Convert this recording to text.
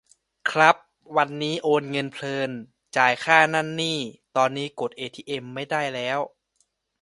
ครับ วันนี้โอนเงินเพลิน จ่ายค่านั่นนี่ ตอนนี้กดเอทีเอ็มไม่ได้แล้ว